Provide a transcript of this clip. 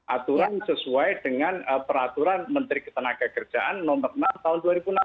aturan sesuai dengan peraturan menteri ketenagakerjaan nomor enam tahun dua ribu enam belas